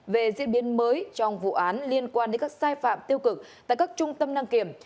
về diễn biến mới trong vụ án liên quan đến các sai phạm tiêu cực tại các trung tâm đăng kiểm